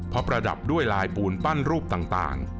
เพราะประดับด้วยลายปูนปั้นรูปต่าง